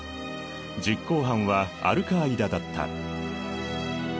実行犯はアルカーイダだった。